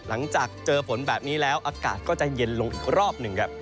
หลังจากเจอฝนแบบนี้แล้วอากาศก็จะเย็นลงอีกรอบหนึ่งครับ